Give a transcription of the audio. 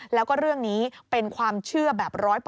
แล้วก็เรื่องนี้เป็นความเชื่อแบบ๑๐๐